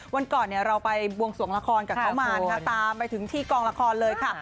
วันก่อนเราไปบวงสวงละครกับเขามานะคะตามไปถึงที่กองละครเลยค่ะ